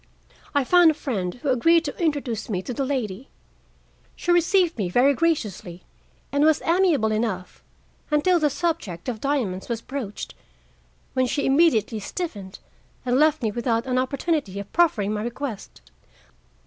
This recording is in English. I found a friend who agreed to introduce me to the lady. She received me very graciously and was amiable enough until the subject of diamonds was broached, when she immediately stiffened and left me without an opportunity of proffering my request.